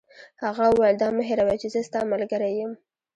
هغه وویل: دا مه هیروئ چي زه ستا ملګری یم.